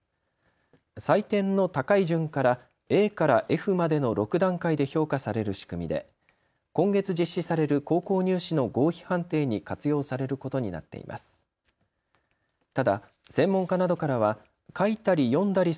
採点の高い順からＡからＦまでの６段階で評価される仕組みで今月実施される高校入試の合否判定に活用されることになっています。